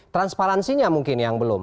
transparensinya mungkin yang belum